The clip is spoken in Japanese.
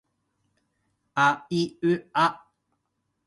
あいうあ